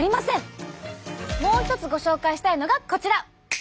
もう一つご紹介したいのがこちら！